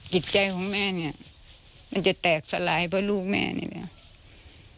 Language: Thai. จิตใจของแม่เนี่ยมันจะแตกสลายเพราะลูกแม่นี่แหละ